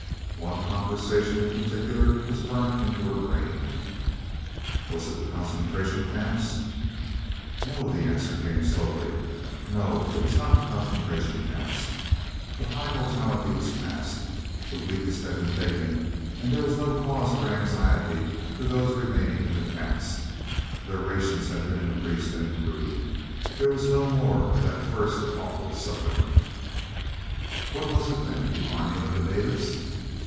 One conversation in particular was burnt into her brain. "Was it the Concentration Camps?" "No," the answer came slowly, "no, it was not the Concentration Camps. The high mortality was past, the weakest had been taken, and there was no cause for anxiety for those remaining in the Camps. Their rations had been increased and improved there was no more of that first awful suffering." "What was it, then? The arming of the natives?"